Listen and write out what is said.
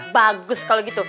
bagus kalau gitu